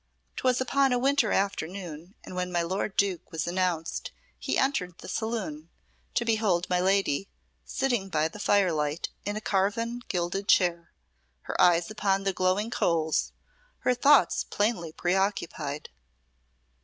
'Twas upon a winter afternoon, and when my lord Duke was announced he entered the saloon, to behold my lady sitting by the firelight in a carven gilded chair, her eyes upon the glowing coals, her thoughts plainly preoccupied.